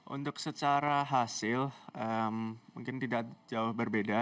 untuk secara hasil mungkin tidak jauh berbeda